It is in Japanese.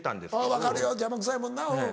分かるよ邪魔くさいもんなうん。